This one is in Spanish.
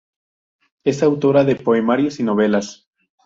Es autora de poemarios y novelas.